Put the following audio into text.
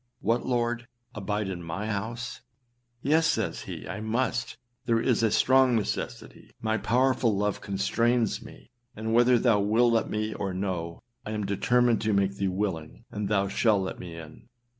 What, Lord! abide in my house!â âYes,â says he, âI must, there is a strong necessity; my powerful love constrains me, and whether thou wilt let me or no, I am determined to make thee willing, and thou shalt let me in.